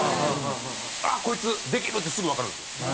あっこいつできる！ってすぐわかるんですよ。